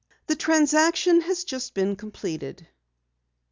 "The transaction has just been completed."